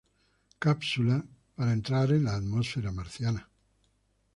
Cápsula para entrar en la atmósfera marciana.